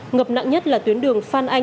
ngập nặng nhất là tuyến đường phan anh